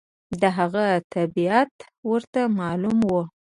د هغه طبیعت ورته معلوم و.